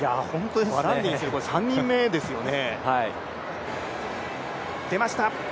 バランディン、これ３人目ですよね。